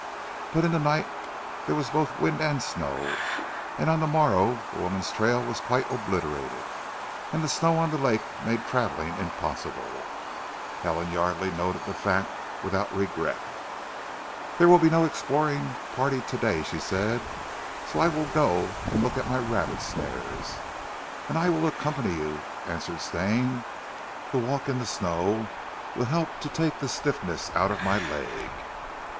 But in the night there was both wind and snow and on the morrow the woman's trail was quite obliterated and the snow on the lake made travelling impossible. Helen Yardely noted the fact without regret. "There will be no exploring party today," she said, "so I will go and look at my rabbit snares." "And I will accompany you," answered Stane, "the walk in the snow will help to take the stiffness out of my leg."